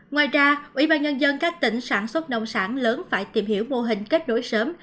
ngoài ra ủy ban nhân dân các tỉnh sản xuất nông sản lớn phải tìm hiểu mô hình kết nối sớm